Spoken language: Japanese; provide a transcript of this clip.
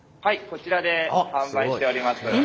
こちらで販売しております。